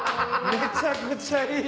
めちゃくちゃいい。